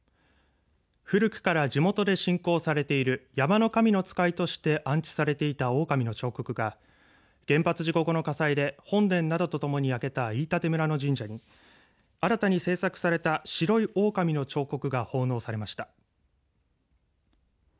古くから地元で信仰されている山の神の使いとして安置されていたおおかみの彫刻が原発事故後の火災で本殿などとともに焼けた飯舘村の神社に新たに制作された白いおおかみの彫刻が奉納されました。